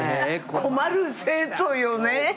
困る生徒よね。